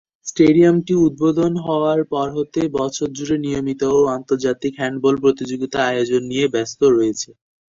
স্টেডিয়ামটি উদ্বোধন হওয়ার পর হতে বছর জুড়ে নিয়মিত ও আন্তর্জাতিক হ্যান্ডবল প্রতিযোগিতা আয়োজন নিয়ে ব্যস্ত রয়েছে।